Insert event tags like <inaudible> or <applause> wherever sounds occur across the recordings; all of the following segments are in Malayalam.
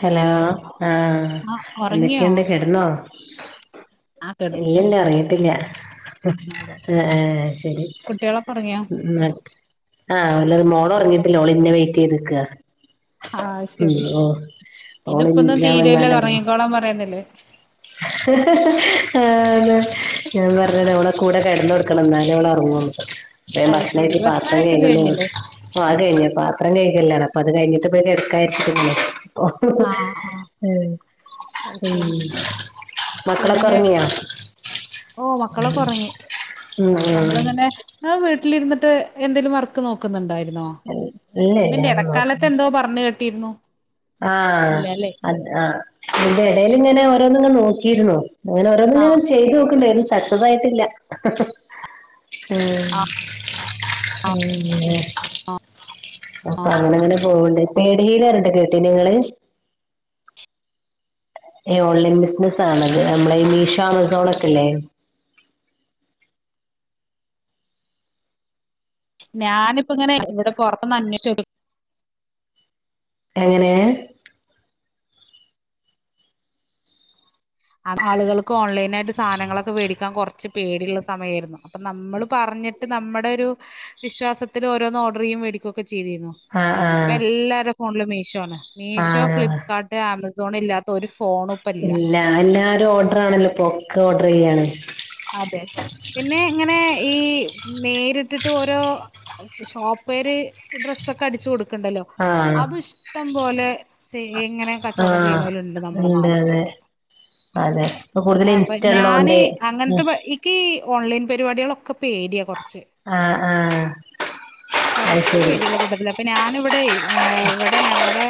ഹലോ ആഹ് ആ ഉറങ്ങിയോ എന്തെക്കേണ്ട് കേടന്നോ ആ കിടന്നു ഇല്ലല്ലാ ഒറങ്ങിട്ടില്ല അതെ ഏഹ് ഏഹ് ശെരി കുട്ടികളൊക്കെ ഉറങ്ങിയോ മ ആഹ് മോള് ഒറങ്ങിട്ടില്ല അവളെന്നെ വെയിറ്റ്യ്ത്ക്ക ആഹ് ശരി ഓള് ഇതിപ്പൊന്നും ഞാൻ തീരൂല്ല വന്നാലേ ഉറങ്ങു ഒറങ്ങിക്കോളാൻ പറയുന്നില്ലേ ആഹ് ഞാൻ പറഞ്ഞെരാ ഒളെ കൂടെ കടന്ന്ടുക്കണം ന്നാലെ ഓള് ഒറങ്ങുള്ളൂ പ്പോ ഞാന് അത് ഭക്ഷണം ശരി കഴിച്ച് പാത്രം കഴിക്കല് കഴികുന്നേണ് കഴിഞ്ഞില്ലേ <unintelligible> ആഹ് അത് കഴിഞ് പാത്രം കഴികലിലാണ് അപ്പൊ അത് കഴിഞ്ട്ട് <unintelligible> ആ ആ ഉം അത് ഉം ശരി മക്കളൊക്കെ ഒർങ്ങിയാ ഓഹ് മക്കളൊക്കെ ഉറങ്ങി ഉം ഉം നമ്മളിങ്ങനെ ന്നാ വീട്ടിലിരുന്നിട്ട് എന്തേലും വർക്ക് നോക്കുന്നുണ്ടായി ന്നോ ഇല്ല ഇല്ല ഇതിന്റെ ഒന്നും ഇടക്കാലത്ത് നോക്കുന്നില്ല എന്തോ പറഞ് കെട്ടിരുന്നു ആഹ് അത് ആഹ് അയ്ന്റെ എടേല് ഇങ്ങനെ ഓരോന്നിങ്ങനെ നോക്കിയിരുന്നു. ആ അങ്ങനെഓരോന്നിങ്ങനെ ചെയ്തു നോക്ക്ണ്ട് ഒന്നും സക്സസായിട്ടില്ല ആഹ് പിന്നെ അപ്പൊ അങ്ങനെ ങ്ങനെ പോവ്ണ്ട് പീടിലാരുണ്ട് കേട്ടിനൊങ്ങള് ഏഹ് ഓൺലൈൻ ബിസ്നസ്സാണത് നമ്മളെ ഈ മീഷോ ആമസോണ ക്കെല്ലേ ഞാന്പ്പങ്ങനെ ഇവിടെ പൊറത്തൊന്ന് അന്വേഷ്ചോക്കി എങ്ങനെ അപോ ആളുകൾക്കോൺലൈനായിട്ട് സാനങ്ങളൊക്കെ വേടിക്കാ കൊർച്ച് പേടിള്ള സമയേര്ന്നു അപ്പൊ നമ്മള് പറഞ്ഞിട്ട് നമ്മടെരു വിശ്വാസത്തില് ഓരോന്ന് ഓഡ്രിയ്യും വേടികൊക്കെ ചീതീര്ന്നു ആഹ് ഇപ്പെ ആഹ് എല്ലാരെ ഫോൺലും മീഷോ ആണ് മീഷോ ആഹ് ഫ്ലിപ്കാർട്ട് ആമസോണി ല്ലാത്ത ത്തൊരു ഫോണുംപ്പല്ല എല്ലാരു ഓഡ്രറാണല്ലോ പൊക്കെ ഓഡ്രിയ്യാണ് അതെ പിന്നെങ്ങനെ ഈ നേരിട്ട്ട്ട് ഓരോ ഷോപ്പേര് ഡ്രസ്സൊക്കെ അടിച്ചോട് ക്ണ്ടല്ലോ ആഹ് അതുംഷ്ടം പോലെ സൈ ങ്ങനെ കച്ചോടം ആഹ് ചെയ്യണോല്ണ്ട് നമ്മളെ നാലുപൊറൊക്കെ അതെപ്പൊ കൂടുതല് ഇൻസ്റ്റള്ളോൺടേ അങ്ങൻത്തെപോ ഇക്ക് ഓൺലൈൻ പരിപാടിളൊക്കെ പേടിയ കൊർച്ച് ആഹ് ആഹ് അത് കൊറച്ച് ശരി പേടിള്ള കൂട്ടത്തില പ്പ ഞാന്വ്ടെയ് ഏ വ്ടെ ഞങ്ങടെ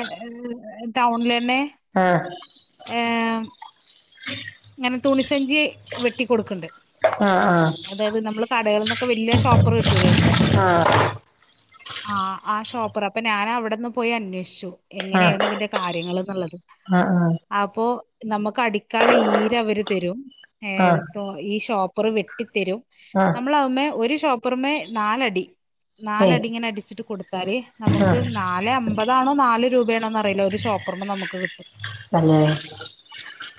ടൗൺലെന്നെ ആഹ്‌ ഏഹ്‌ ങ്ങനെ തുണിസഞ്ചി വെട്ടി കൊട്ക്ണ്ട് ആഹ് ആഹ് അതായത് നമ്മള് കടേൾന്നൊക്കെ വല്യ ഷോപ്പറ് കിട്ടൂലേ ആഹ് ആഹ്‌ ആഹ് ഷോപ്പറ് അപ്പൊ ഞാന അവ്ടെന്ന് പോയി അന്വേഷ്ച്ചു ആഹ് എങ്ങനെയെന്ന് ഇതിന്റെ കാര്യങ്ങള്ന്ന്ള്ളത് ആഹ് അപ്പോ നമക്ക് അടിക്കാൻള്ള ഈ ഈരവര് തരും ഏ ആഹ് തോ ഈ ഷോപ്പറ് വെട്ടി തരും ആഹ് നമ്മളഹ് മേ ഒരു ഷോപ്പറ്മേ നാലടി ഏയ് നാലടിങ്ങനെ അടിച്ചിട്ട് കൊട്ത്താല് നമുക്ക് ആഹ് നാല് അമ്പതാണോ നാല് രൂപേണോന്നറിയില ഒരു ഷോ ത്രണ്ണം നമുക്ക് ക് ട്ടും തന്നെ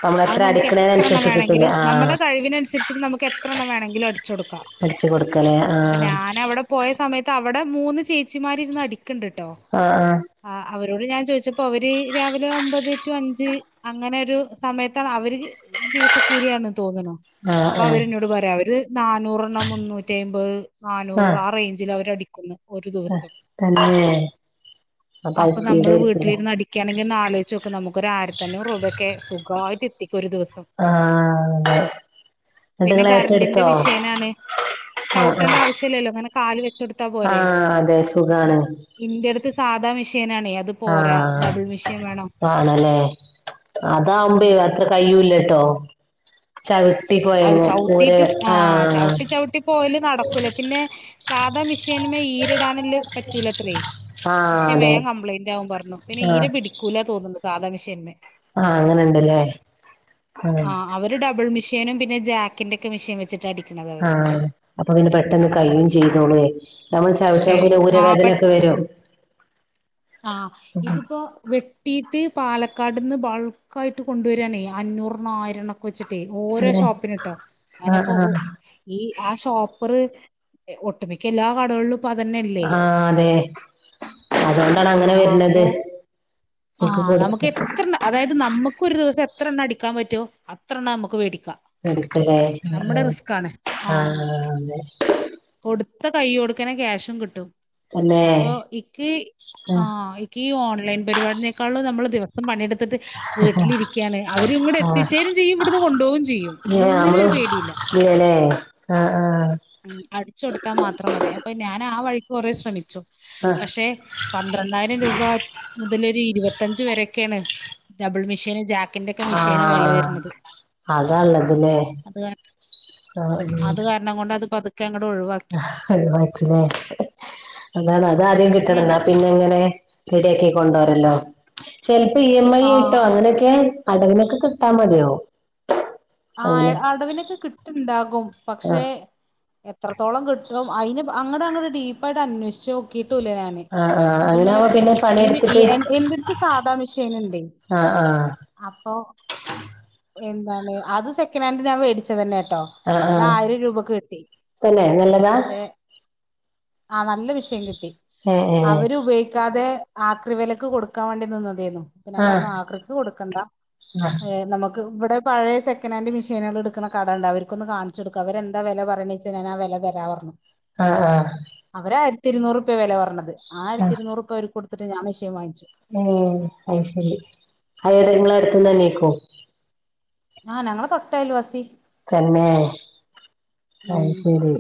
നമ്മളെത്ര അടിക്ക്ണേന ൻസരിച്ച് കിട്ടുംലേ ആഹ് കഴിവിനൻസരിച്ചിട്ട് നമുക്ക് എത്രണ്ണം വേണങ്കിലും അടിച്ചൊട്ക്കാ അടിച്ചു കൊടുക്കലേ അപ്പെ ആഹ് ഞാനവ്ടെ പോയ സമയത്ത് അവ്ടെ മൂന്ന് ചേച്ചിമാരിര്ന്ന് അടിക്ക്ൺണ്ട്ട്ടോ ആഹ് ആഹ് ആഹ് അവരോട് ഞാചോയിച്ചപ്പോ അവര് രാവിലെ ഒമ്പത് റ്റു അഞ്ച് അങ്ങനെരു സമയത്താണ് അവര് ദിവസക്കൂലിയാണ് തോന്ന്ണു ആഹ് അപ്പൊ ആഹ് അവരെന്നോട് പറ്യ അവര് നാന്നൂറണ്ണം മുന്നൂറ്റയ്മ്പത് നാന്നൂറ് ആഹ് റൈഞ്ച്ല് അവരടിക്കുംന്ന് ഒര് ദ് ആഹ് വസം തന്നെ അപ്പൊ അത് അപ്പനമ്മള് സ്പീഡായിരിക്കുല്ലേ വീട്ടില്ര്ന്ന് അടി ക്യാണെങ്കി ഒന്നാലോയ്ചോക്ക് നമുക്ക് ഒരാര്ത്തഞ്ഞൂറൂബെക്കെ സുഖായിട്ടെത്തിക്കരു ദിവസ ആഹ് തെ പിന്നെ കര്ന്റിന്റെ മിഷേനാണ് ആഹ് ചവ്ട്ടണ്ട ആഹ് ആവശ്യല്ലല്ലോ ഇങ്ങനെ കാല് വെച്ചൊട്ത്താ പോരെ ആഹ് അതെ പക്ഷെ ന് സുഖാണ് ഇൻ്റെട്ത്ത് സാധാ മിഷേനാണേ അത് പോരാ ആഹ് ഡബിൾ മെഷീൻ വേണം. ആണല്ലേ ഉം അതാംമ്പേ അത്ര കയ്യൂല്ലട്ടോ ചവിട്ടി അത് പോയങ്ങും ഊരെ വെ ആഹ് പോയല് നടക്വലേ പിന്നെ സാധാ മിഷേന്മേ ഈ ല്ടാനല്ല് പറ്റൂലത്രേ ആഹ് മിഷേം അതെ വേം കംപ്ലയ്ന്റാവും പർണു പിന്നെ ഈര ആഹ് പിടിക് കുലെ തോന്നുന്നു സാധാ മെഷൃന്നെ ആഹ് അങ്ങനിണ്ടല്ലേ ആഹ് ഒരു ഡബിൾ മെഷി ക്കാനും പിന്നെ ജാക്കിന്റെക്കെ മെഷീൻ വെച്ചിട്ടടി ആഹ് അപ്പൊ പിന്നെ പെട്ടെന്ന് കഴിയേം ചെയ്തോളുവേ നമ്മൾ ചവിട്ടാൻ പിന്നെ കഴിയും ആഹ് പെട്ട് ഊരവേദനൊക്കെ വരും ആഹ് ഇതിപ്പോ വെട്ട് ട്ടിട്ടി പാലക്കാട്ന്ന് ബൾക്കായിട്ട് കൊണ്ടുവെരാണെ അഞ്ഞൂറെണ്ണം ആയിരെണ്ണം കൊച്ചിട്ടേ ഓരോ അതെ ഷോപ്പിനിട്ടോ ആഹ് അങ്ങനിപ്പോ ആഹ് ഒ ഈ ആ ഷോപ്പറ് ഒട്ടുമിക്ക എല്ലാ കടകൾലും ആഹ് അതെ അതുകൊണ്ടാണ് ആഹ് അങ്ങനെ വെർണത് അപ്പൊ ആഹ് നമുക്കെ എത്രണ്ണ അതായിത് നമുക്കൊരെസ്സം എത്രെണ്ണം അടിക്കാൻ പറ്റോ അത്രെണ്ണം നമുക്ക് വേടിക്കാ വേടിക്കാല്ലേ ഉം ഉം ആ ആഹ് അതെ കൊടുത്ത കൈയോട്ക്കന്നേ ക്യാഷും കിട്ടും അല്ലേ അപ്പൊ ഇക്ക് ആഹ് ഇ ക്കീ ഓൺലൈൻ പരിപാടിനേക്കാളും നമ്മള് ദിവസം പണിയെടുത്തിട്ട് വീട്ടിലിരിക്കാണെ അവര് ഇങ്ങട് ആഹ് എത്തിച്ചേരേം ചെയ്യും ഇവിട്ന്ന് കൊണ്ടുപോവും ചെയ്യും ഏ നമ്മള് ഒന്നിനൊരു പേടില്ലാ ഇല്ലല്ലേ ആഹ് ആഹ് ഉം അടിച്ച് കൊടുത്താ മാത്രം മതി അപ്പൊ ഞാൻ ആ വഴിക്ക് കൊറെ ശ്രമിച്ചു ആഹ് പക്ഷെ പന്ത്രണ്ടായിരം രൂപ മുതലൊരു ഇരുപത്തഞ്ച് വെരേക്കാണ് ഡബിൾ മെഷീന് ജാ ക്കിന്റെക്ക മെഷീന് വെല വെര്ണത് അതാ ഒള്ളതില്ലേ ആഹ് ഉം അത് കാരണം കൊണ്ട് അത് പതുക്കെ അങ്ങട് ഒഴിവാ ആഹ് ഒഴിവാക്കണേ അതാണ് അത് ആദ്യം ഇനി കിട്ടണം എന്നാ അങ്ങനെ പിന്നെങ്ങനെ റെഡിയാക്കി കൊണ്ടുവരല്ലോ ചെലപ്പോ ഇ എം ഐ ആഹ് കിട്ടും അതെ അങ്ങനൊക്കെ കടയിലൊക്കെ കിട്ടാ മടിയാവും ആഹ് അടവിനൊക്കെ കിട്ടുണ്ടാകും പക്ഷേ ആഹ് എത്രത്തോളം കിട്ടും അയിന് അങ്ങട് അങ്ങട് ഡീപ്പായിട്ട് അന്വേഷ്ച്ചോ കിട്ടൂല ഞാന് ആഹ് ആഹ് ഇതിങ്ങനെ അങ്ങനാവുമ്പോ പിന്നെ ഈം ഈ പണിയെടുത്തിട്ട് എന്റെടുത്ത് സാധാ മെഷീനുണ്ട് ആഹ് ആഹ് അപ്പൊ എന്താണ് അത് സെക്കനാൻഡ് ഞാൻ മേടിച്ചതന്നെ ട്ടോ ആഹ് ആഹ് അതിയിരം രൂപക്ക് കിട്ടി തന്നെ നല്ലതാ പക്ഷെ ആഹ് നല്ല വിഷയം കിട്ടി ഏഹ് ഏഹ് അവരു ഉപയി ക്കാതെ ആക്രി വെലക്ക് കൊടുക്കാ വേണ്ടി നിന്നതാര്ന്നു ഞാൻ ആഹ് പറഞ്ഞു ആക്രിക്ക് കൊടുക്കണ്ട ആഹ് ഏ നമുക്ക് ഇവിടെ പഴയ സെ സെക്കനാൻഡ് മെഷൃനുകള് എടുക്കണ കട ഇണ്ട് അവർക്കൊന്നു കാണിചൊടുക്ക അവരെന്താ വെല പറയണ വെച്ചാ ഞാൻ ആ വെല തെരാ പർഞ്ഞു ആഹ് ആഹ് അവര് ആയിരത്തി ഇരുന്നൂറ്പ്യ വെല പറഞ്ഞത് ആയിരത്തി ഇരുന്നൂറുപൃ ഓര്ക്ക് കൊടുത്തിട്ട് ഞാൻ മെഷൃൻ വാങ്ങിച്ചു ഏ അയി ശരി അയാള് ഇങ്ങളടുത്ത്ന്നനായിക്കോ ആഹ് ഞങ്ങള തൊട്ടയൽ വാസി തന്നെ ഉം അയ്ശരി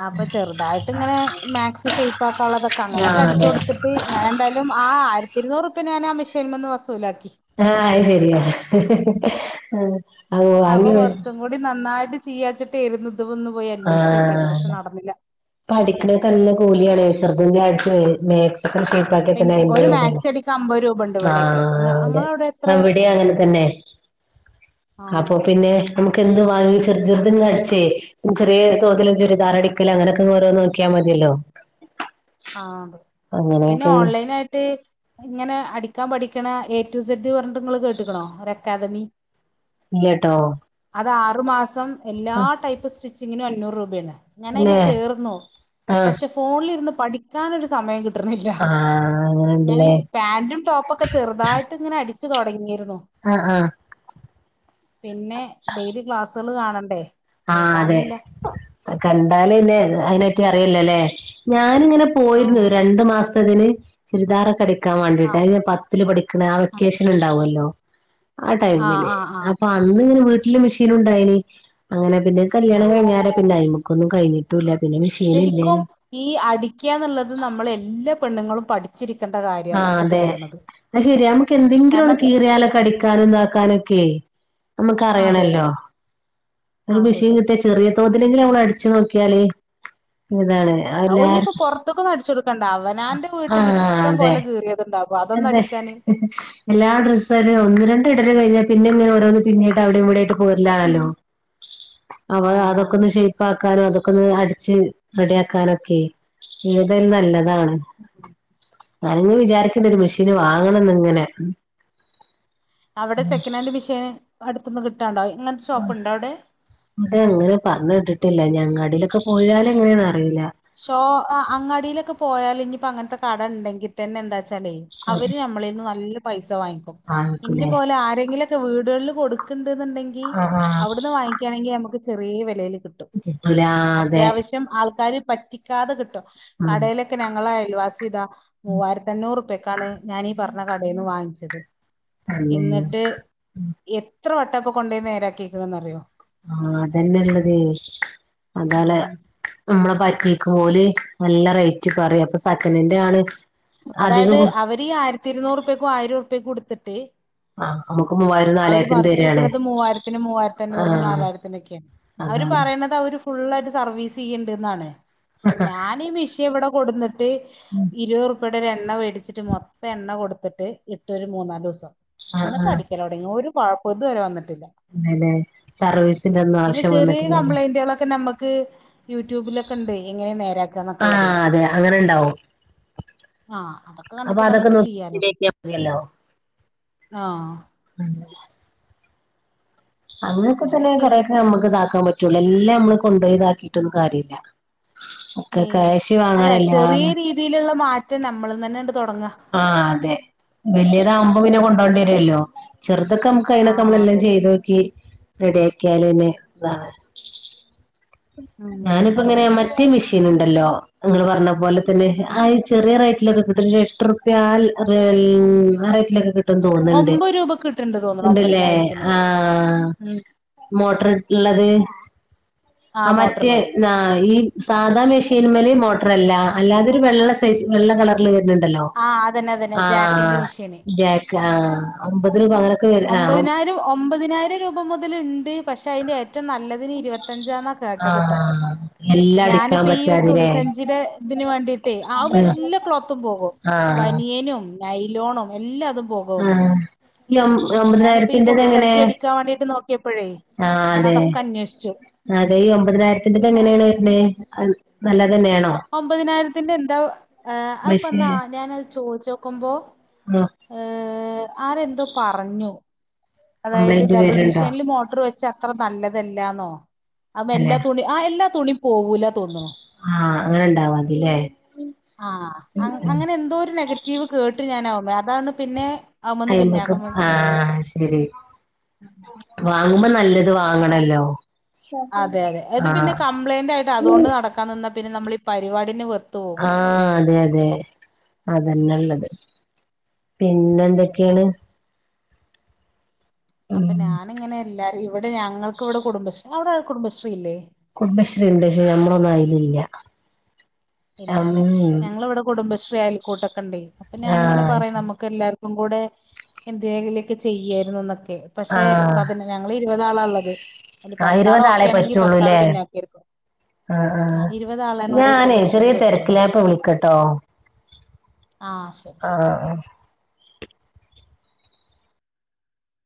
ആ അപ്പൊ ചെറുതായിട്ടിങ്ങനെ മാക്സ് ഷെയപ്പാക്കാള്ളതൊക്കെ അങ്ങനൊക്കെ ആഹ് അടിച്ച് അതെ കൊടുത്ത് തീ ഞാനെന്തായാലും ആ ആയിരത്തിരുന്നൂറുപ്പ്യ ഞാനാ മെഷൃൻമേന്ന് വസൂലാക്കി ആഹ് അയ് ശരിയാ ആഹ് അപ്പൊ വാങ്ങി കൊറച്ചും കൂടി നന്നായിട്ട് ചിയ്യാവെച്ചിട്ടാര്ന്നു ഇതൊന്ന് പോയി അന്വേഷിച്ചോക്കെത് പക്ഷെ നടന്നില്ല പഠിക്കണക്ക നല്ല കൂലിയാണ് ചെറുത്തിന്റെ ആഴ്ച്ച മാത്‍സക്കെ ഷെ പിന്നെ ഒരു മാക്സി അടിക്കാൻ അമ്പത് രൂപ ഉണ്ട് <unintelligible> ഇവിടെയൊക്കെ ഇങ്ങ ആഹ് അതെ ഇങ്ങളവിടെ ആ എത്രയാ ഇവിടെ അങ്ങനെ തന്നെ അപ്പൊ ആഹ് പിന്നെ നമുക്ക് എന്ത് വാങ്ങി ചെറിയ ചെറുന്ന് അടിച്ചേ ചെറിയ തോതിൽ ഒരു ചുരിദാറടിക്കൽ അങ്ങനെ രോ നോക്കിയാ മതില്ലോ ആഹ് അതെ പിന്നെ അങ്ങനെയൊക്കെ ഓൺലൈൻ ആയിട്ട് ഇങ്ങനെ അടിക്കാൻ പഠിക്കണ എ ടു സെഡ് പറഞ്ഞ നിങ്ങള്ൾ കേട്ടക്കണോ ഒരു അക്കാദമി ഇല്ലേട്ടോ അത് ആറു മാസം എല്ലാ ടൈപ്പ് സ്റ്റിച്ചിങ്ങിനും അഞ്ഞൂറ് രൂപയാണ് ഞാൻ അതിൽ പിന്നെ ചേർന്നു ആഹ് പക്ഷെ ഫോണിലിരുന്ന് പഠിക്കാനൊരു സമയം കിട്ടുന്നില്ല കിട്ടണില്ല ആഹ് ഞാന് അങ്ങനെണ്ടല്ലേ പാന്റും ടോപ്പൊക്കെ ചെറുതായിട്ട് ഇങ്ങനെ അടിച്ചു തുടങ്ങിയിരുന്നു ആഹ് ആഹ് പിന്നെ ഡെയിലി ക്ലാസുകൾ കാണണ്ടേ ഏ ആഹ് അതെ കാണില്ല കണ്ടാലന്നെ അതിനെറ്റി അറിയില്ലല്ലേ ഞാനിങ്ങനെ പോയിരുന്നു ആഹ് രണ്ടു മാസത്തിന് ചുരിദാറൊക്കെടിക്കാൻ വേണ്ടിട്ട് ആഹ് അ പത്ത് പഠ ആഹ് വെക്കേഷൻ ഉണ്ടാവല്ലോ ആ ആഹ് ടൈമില് ആഹ് ആഹ് അപ്പൊ അന്ന് ഇങ്ങനെ വീട്ടില് മെഷീൻ ഉണ്ടായിന് അങ്ങനെ പിന്നെ കല്യാണം ആഹ് കിഞ്ഞരേ പിന്നെ അ്മുക്ക ഒന്നും കഴിഞ്ഞിട്ട് പിന്നെ ശരിക്കും മെഷീനില്ലേനു ഈ അടിക്കന്നുള്ളത് നമ്മൾ എല്ലാ പെണ്ണുങ്ങളും പഠിച്ചിരിക്കേണ്ട കാര്യ ആഹ് അതെ അ ശെരി നമുക്ക് എന്തെങ്കിലും ഒന്ന് കാരണം കീറിയാല അടിക്കാനും ഇതാക്കാനൊക്കെ നമുക്ക് അതെ അറിയണല്ലോ ഒരു മിഷീൻ അതെതെ കിട്ട ചെറിയ തോതിലെങ്കിലും നമ്മള് അടിച്ചു നോക്കിയാലേ ഇതാണ് ഒനി എല്ലാർ ഇപ്പോ പുറത്തൊക്കും അടിച്ചു കൊടുക്കണ്ട അവനാന്റെ വീട്ടിൽ ആഹ് ഇഷ്ടം അതെ പോലെ കീറിയത്ണ്ടാകും അതൊന്നും അതെ അടിക്കാന് എല്ലാ ഡ്രസ്സാലും ഒന്ന് രണ്ട് ട്ട ഇടല് കഴിഞ്ഞാ പിന്നെ ഇങ്ങെ ഓരോന്ന് അവിടെയും ഇവിടെയുംവിടെയട്ട പോലാണല്ലോ അവ ആഹ് അതൊക്കെ അതെ ഒന്ന് ശ ഉപ്പാക്കാനും അതൊക്കെ ഒന്ന് അടിച്ച് റെഡിയാക്കാനൊക്കെ ഏതൽ നല്ലതാണ് അനഞ്ഞഞ് വിചാരിക്കുന്ന ഒരു മെഷീന് വാങ്ങണംന്ന് ഇങ്ങനെ അവിടെ സെക്കൻഡ് ഹൻഡ് മെഷീൻ അടുനിന്ന് കിട്ടുണ്ടോങ്ങനത്തെ ഷോപ്പ്ണ്ടോ അവിടെ അത അങ്ങനെ പറഞ്ഞ ഇട്ടിട്ടില്ല അങ്ങാടിയിലൊക്കെ പോയാലും എങ്ങനെയണ അറിയില്ല അങ്ങാടിയിലൊക്കെ പോയാല ഇനിയിപ്പോ അങ്ങനത്തെ കട ഉണ്ടെങ്കിൽ തന്നെ എന്താ വെച്ചാലേ അവര് നമ്മളീന്ന് നല്ല പൈസ വാങ്ങിക്കും ഇന്റെ വാങ്ങിക്കൂലേ പോലെ ആരെങ്കിലും വീടുകളിൽ കൊടുക്കണ്ടന്നുണ്ടങ്കിൽ ആഹ് ആഹ് അവിടുന്ന് വാങ്ങിക്കുകയാണെങ്കിൽ നമുക്ക് ചെറിയ വിലയിൽ കിട്ടും കിട്ടൂല ആഹ് അതെ അത്യാവശ്യം ആൾക്കാര് പറ്റിക്കാതെ കിട്ടും ഉം കടെല് ഇപ്പം ഞങ്ങള അയൽവാസിതാ മൂവായിരത്തഞ്ഞൂറ്പ്യക്കാണ് ഞാനീ പറഞ്ഞ കടീന്ന് വാങ്ങിച്ചത് തന്നെ ഇങ്ങട്ട് എത്രവട്ടാപ്പോ കൊണ്ടേയി നേരാക്കിക്ക്ണേന്നറിയോ ആഹ് അതന്നെള്ളത് അതലേ ഉം നമ്മളെ പറ്റിക്കോല് നല്ല റേറ്റ് പറയും അപ്പൊ സക്കനൻ്റാണ് അതായത് അവര് ഈ ആയിരത്തി ഇരുന്നൂറുപ്പ്യാക്കും ആയിരം ഉറുപിയക്കും ഇടുത്തിട്ട് ആ നമുക്ക് ഉം മൂവായിരം അവര് നാലായിരത്തിന് മറിച്ച് തരാണ് വിക്കണത് മൂവായിരത്തിനും മൂവായിരത്തി ആ അഞ്ഞൂറിനും നാലായിരത്തിനൊക്കെണ് അവര് അതാണ് പറയുന്നത് അവര് ഫുുള്ളായിട്ട് സർവീസ് ചീയ്യണ്ട്ന്നാണ് ഞാനീ മിഷ്യ ഇവടെ കൊടുന്നിട്ട് ഉം ഇരുവറുപ്പടെ ഒരു എണ്ണ മേടിച്ചിട്ട് മൊത്ത എണ്ണ കൊടുത്തിട്ട് ഇട്ടൊരു മൂന്നാല്സം ആ ആ അന്നിട്ട് അടിക്കല് തൊടങ്ങി ഒരുകൊഴപ്പം ഇതുവരെ വന്നിട്ടില്ല അതെല്ലേ സർവീസിന്റെ ഒന്നും പിന്നെ ആവശ്യം ചെറിയ വന്നിട്ടില്ലല്ലേ കംപ്ലൈയിൻ്റ്കളൊക്കെ നമ്മക്ക് യൂട്യൂബിലൊക്കെണ്ട് എങ്ങനാ നേരാ ആഹ് അതെ അങ്ങനെണ്ടാവും ആഹ് അതൊക്കെ അപ്പൊ കണ്ടിട്ട് അതൊക്കെ നമുക്ക് നോക്കി ചെയ്യാലോ ശരിയാക്കിയാ മതിയല്ലോ ആഹ് ഉം അങ്ങനൊക്കെ തന്നെ അങ്ങനെയൊക്കെയാണ് കൊറെക്കെ നമ്മക്ക് ഇതാക്കാൻ പറ്റ് റ്റൊള്ളൂ എല്ലാം നമ്മള് കൊണ്ടേയിതാക്കിട്ടൊന്നും കാര്യല്ല ഒക്കെ കാശ് വാങ്ങനെല്ലാരും തീലുള്ള മാറ്റം നമ്മള്ന്നന്നെ ആണ്ട് തൊടങ്ങാ ആഹ് അതെ വല്ല്യതാവുമ്പ പിന്നെ ഉം കൊണ്ടോണ്ടി വരുവല്ലോ ചെറുതൊക്കെ നമ്മക്ക് ക്കഴിയണതൊക്കെ ആഹ് നമ്മളെല്ലാം അതെ ചെയ്തോക്കി റെഡിയാക്കിയാലന്നെ ഇതാണ് ഉം ഞാന്പ്പങ്ങനെ മറ്റേ മെഷീന്ണ്ടല്ലോ ഇങ്ങള് പറഞ്ഞ പോലെത് ല്ലേ ഉം ആഹ് ചെറിയ റേറ്റിലൊക്കെ കിട്ടും എട്ട്റുപ്യാ ആൽ <unintelligible> ആറേറ്റിലൊക്കെ കിട്ട് ട്ടും തോന്ന്ണ്ട് ഒമ്പത് രൂപക്ക് കിട്ടണ്ട് തോന്നുന്നു ഇണ്ട്ല്ലേ ഒമ്പതിനായിരത്തിന് ആഹ് ഉം മോട്ടർട്ട് ഇള്ളത് ആഹ് മറ്റേ ആഹ് ഈ സാധാ മെഷീമ്മല് മോട്ടറല്ല അല്ലാതൊരു വെള്ള സൈസ് ഈ വെള്ള കളറില് വെരുന്നുണ്ടല്ലോ ആഹ് അതന്നെ അതന്നെ ജാക്കിന്റെ ആഹ് മെഷീന് ജാക്ക് ആഹ് അമ്പതിന് പകരം ഒമ്പതിനായിരം ഒമ്പതിനായിരം രൂപ മുതൽ ഇണ്ട് പക്ഷെ അയിന്റെ ഏറ്റവും നല്ല ഇതിന് ഇരുപത്തഞ്ചന്നാ കേട്ടത്ട്ടോ ആഹ് എല്ലാം അടിക്കാൻ ഞാനിപ്പ ഈ ഒരു പറ്റാതില്ലേ തുണിസഞ്ചിടെ ഇതിന് വേണ്ടി ട്ടേ അയ്മ്മേ ആഹ് എല്ലാ ക്ലോത്തും പോകും ബനിയനും നൈലോണും എല്ലാതും പോവും ആഹ് <unintelligible> ഞാനിപ്പ ഈ ഒമ്പതിനായിരത്തിന്റെത് തുണി എങ്ങനെ സഞ്ചി അടിക്കാൻ വാണ്ടിട്ട് നോക്കിയപ്പഴേ ആഹ് അതെ ഞാനതൊക്കെ അന്വേഷിച്ചു അതെ ഈ ഒമ്പതിനായിരത്തിന്റെത് എങ്ങനെയാണ് വരണേ അ നല്ലതന്നെയാണോ ഒമ്പതിനായിരത്തിൻ്റെ എന്താ ആഹ് മെഷീൻ അതിപ്പെന്നാ ഞാനത് ചോദിച്ചോക്കുമ്പോ ആഹ് ആഹ് ആരെന്തോ പറഞ്ഞു അതായത് കംപ്ലൈന്റ് ഡബിൾ വരണ്ടോ മിഷീനിൽ മോട്ടർ വെച്ച് ച്ചത്ര നല്ലതല്ലാന്നോ അപ്പൊ തന്നെ എല്ലാ തുണി ആഹ് എല്ലാ തുണി പോവൂല തോന്ന്ണു ആഹ് അങ്ങനെണ്ടാവതില്ലേ ആഹ് അങ്ങ് അങ്ങനെ എന്തോ ഒരു നെഗറ്റീവ് കേട്ട് ഞാനവുമ്മേ അതാണ് പിന്നെ അവ്മ്മന്ന് പിന്നാക്കം വൽ വലിഞ്ഞത് ഉം വാങ്ങുമ്പോ നല്ലത് വാങ്ങണല്ലോ അതെ അതെ അത് പിന്നെ ആഹ് കംപ്ലൈന്റ് ആയിട്ട് അതുകൊണ്ട് നടക്കാൻ നിന്നാ പിന്നെ നമ്മളീ പരിപടിയെന്നെ വെറ് ആഹ് അതെ അതെ അതന്നെള്ളത് പിന്നെന്തെക്കെയാണ് ഉം അപ്പ ഉം ഞാനിങ്ങനെ എല്ലാരെ ഇവടെ ഞങ്ങൾക്ക് ഇവിടെ കുടുംബശ്രീ അവടെ കുടുംബശ്രീ ഇല്ലേ കുടുംബശ്രീ ഇണ്ട് പക്ഷേ ഞമ്മളൊന്നും അയിലില്ല ഉം ഇല്ലാല്ലെ ഞങ്ങളിവിടെ കുടുംബശ്രീ ആയൽക്കൂട്ടൊക്കെ ഇണ്ടേ അപ്പൊ ഞാനിങ്ങനെ ആഹ് പറയും ശരി നമ്മക്ക് എല്ലാര്ക്കു ക്കും കൂടെ എന്തേലൊക്കെ ചെയ്യായിരുന്നൊക്കെ പക്ഷെ ആഹ് പതിനെ ഞങ്ങള് ഇരുപത് ആളാ ഇള്ളത് അല് ആ പത്താള് ഇരുപത് ആളെ ഓക്കെയാണെങ്കി പത്താള് പറ്റുള്ളൂല്ലേ പിന്നോക്കാരിക്കും ആഹ് ഇരുപതാളെയാണ് ഒര് ഞാനേ കുടുംബശ്രീ ചെറിയ തെരക്കിലാ ഞാ ഇപ്പ വിളിക്കാട്ടോ ആഹ് <unintelligible> ആഹ്